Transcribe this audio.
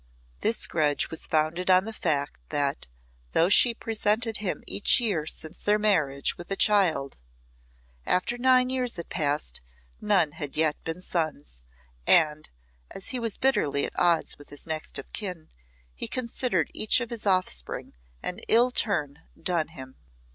This grudge was founded on the fact that, though she had presented him each year since their marriage with a child, after nine years had passed none had yet been sons, and, as he was bitterly at odds with his next of kin, he considered each of his offspring an ill turn done him.